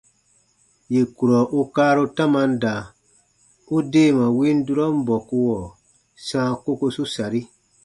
Yè kurɔ u kaaru tamam da, u deema win durɔn bɔkuɔ sãa kokosu sari.